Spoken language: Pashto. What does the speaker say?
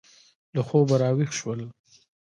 له خوبه را ویښ شول.